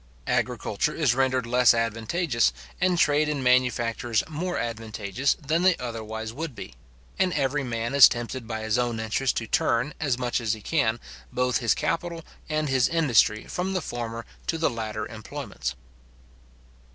Agriculture is rendered less advantageous, and trade and manufactures more advantageous, than they otherwise would be; and every man is tempted by his own interest to turn, as much as he can, both his capital and his industry from the former to the latter employments.